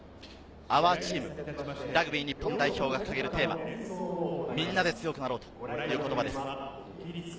「ＯｕｒＴｅａｍ」、ラグビー日本代表が掲げるテーマ、みんなで強くなろうという言葉です。